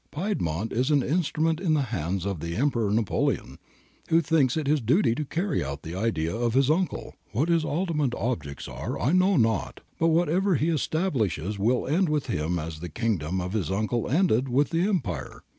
Piedmont is an in strument in the hands of the Emperor Napoleon, who thinks it is his duty to carry out the ideas of his uncle. What his ultimate objects are I know not, but whatever he establishes will end with him as the Kingdoms of his uncle ended with the Empire.